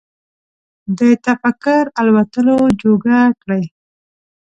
د تفکر الوتلو جوګه کړي